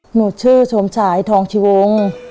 หนูชื่อสมฉายทองชีวง